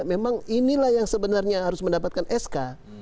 memang inilah yang sebenarnya harus mendapatkan sk